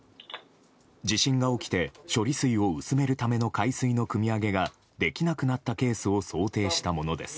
地震が起きて処理水を薄めるための海水のくみ上げができなくなったケースを想定したものです。